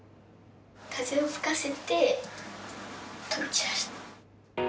風を吹かせて飛び散らす。